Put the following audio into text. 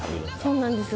そうなんです